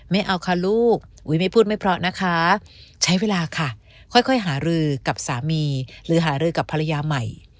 ไม่เอาค่ะลูกอุ๊ยไม่พูดไม่เพราะนะคะใช้เวลาค่ะค่อยหารือกับสามีหรือหารือกับภรรยาใหม่